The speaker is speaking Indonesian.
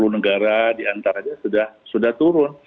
sepuluh negara di antaranya sudah turun